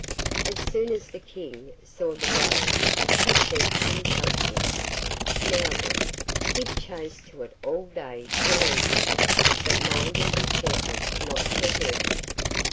As soon as the King saw the Roe, he said to his huntsman, 'Now then, give chase to it all day till evening, but mind and be careful not to hurt it.